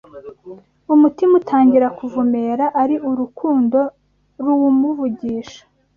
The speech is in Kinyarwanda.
Umutima utangira kuvumera Ari urukundo ruwuvugisha